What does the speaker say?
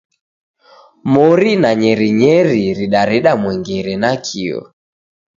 Mori na nyerinyeri ridareda mwengere nakio.